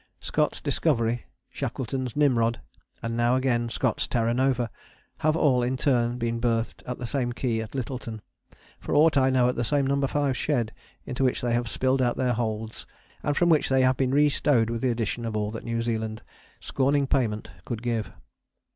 Scott's Discovery, Shackleton's Nimrod, and now again Scott's Terra Nova have all in turn been berthed at the same quay in Lyttelton, for aught I know at the same No. 5 Shed, into which they have spilled out their holds, and from which they have been restowed with the addition of all that New Zealand, scorning payment, could give.